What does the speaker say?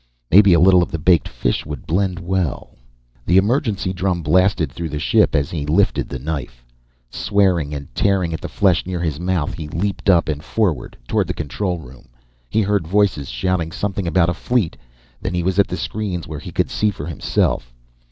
Maybe a little of the baked fish would blend well The emergency drum blasted through the ship as he lifted the knife. Swearing and tearing at the flesh near his mouth, he leaped up and forward toward the control room. He heard voices shouting, something about a fleet. Then he was at the screens where he could see for himself.